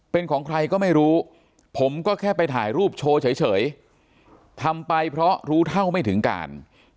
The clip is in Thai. เป็นของใครก็ไม่รู้ผมก็แค่ไปถ่ายรูปโชว์เฉยทำไปเพราะรู้เท่าไม่ถึงการ